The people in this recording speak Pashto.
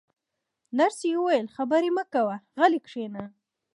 نرسې وویل: خبرې مه کوه، غلی کښېنه.